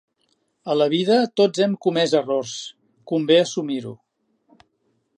A la vida tots hem comès errors, convé assumir-ho.